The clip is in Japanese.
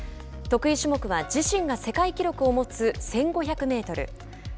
得意種目は自身が世界記録を持つ１５００メートル。